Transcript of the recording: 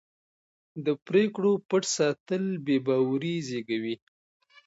د پرېکړو پټ ساتل بې باوري زېږوي